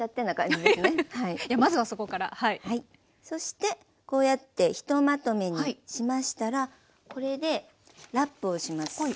そしてこうやってひとまとめにしましたらこれでラップをします。